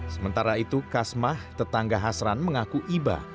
sementara itu kas mah tetangga hasran mengaku iba